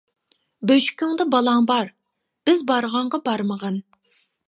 بۆشۈكۈڭدە بالاڭ بار، بىز بارغانغا بارمىغىن.